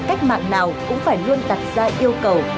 cách mạng nào cũng phải luôn đặt ra yêu cầu